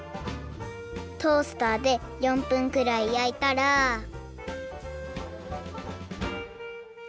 トースターで４分くらいやいたらチン！